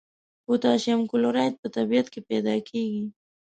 پوتاشیم کلورایډ په طبیعت کې پیداکیږي.